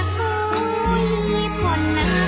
ทรงเป็นน้ำของเรา